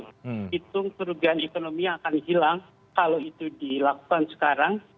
hitung kerugian ekonomi yang akan hilang kalau itu dilakukan sekarang